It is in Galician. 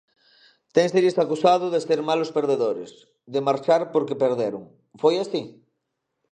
Ténselles acusado de ser malos perdedores, de "marchar porque perderon", foi así?